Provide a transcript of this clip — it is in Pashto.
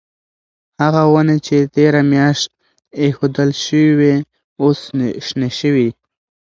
هغه ونې چې تیره میاشت ایښودل شوې وې اوس شنې شوې.